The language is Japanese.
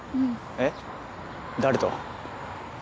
えっ誰と？